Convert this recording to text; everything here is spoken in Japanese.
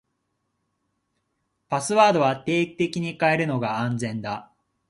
パスワードは定期的に変えるのが安全だ。